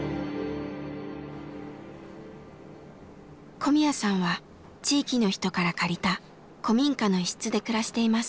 小宮さんは地域の人から借りた古民家の一室で暮らしています。